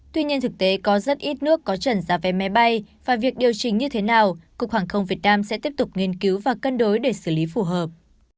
tuy nhiên thực tế có rất ít nước có trần giá vé máy bay và việc điều chỉnh như thế nào cục hàng không việt nam sẽ tiếp tục nghiên cứu và cân đối để xử lý phù hợp